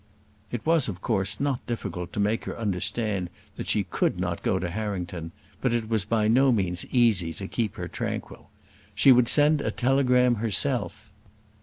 It was of course not difficult to make her understand that she could not go to Harrington, but it was by no means easy to keep her tranquil. She would send a telegram herself.